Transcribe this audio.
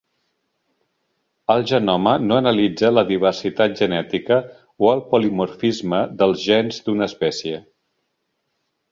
El genoma no analitza la diversitat genètica o el polimorfisme dels gens d'una espècie.